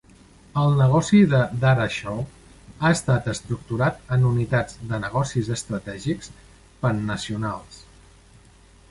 El negoci de Darashaw ha estat estructurat en unitats de negocis estratègics pannacionals.